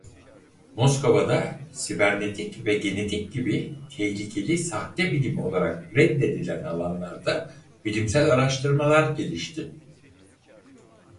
Moskova'da sibernetik ve genetik gibi tehlikeli sahte bilim olarak reddedilen alanlarda bilimsel araştırmalar gelişti.